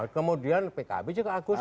kemudian pkb juga agustus